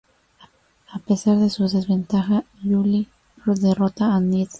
A pesar de su desventaja, Julie derrota a Ned.